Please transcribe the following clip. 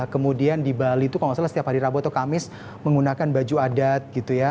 kemudian di bali itu kalau nggak salah setiap hari rabu atau kamis menggunakan baju adat gitu ya